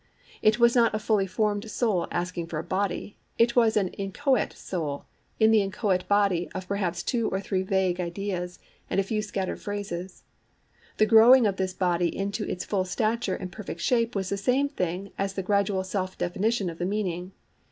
It was not a fully formed[Pg 29] soul asking for a body: it was an inchoate soul in the inchoate body of perhaps two or three vague ideas and a few scattered phrases. The growing of this body into its full stature and perfect shape was the same thing as the gradual self definition of the meaning.